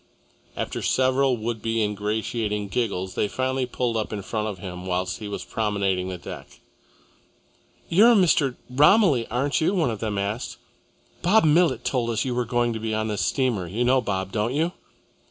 After several would be ingratiating giggles, they finally pulled up in front of him whilst he was promenading the deck. "You are Mr. Romilly, aren't you?" one of them asked. "Bob Millet told us you were going to be on this steamer. You know Bob, don't you?"